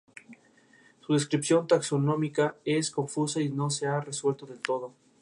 Esto impregnaba a Nebula con un profundo odio hacia Thanos.